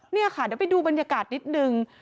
นี่ค่ะเดี๋ยวไปดูบรรยากาศนิดนึง